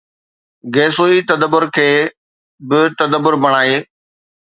گيسوئي تَدبر کي به تَدبر بڻائي